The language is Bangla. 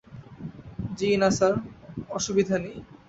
জ্বি-না স্যার, অসুবিধা নেই।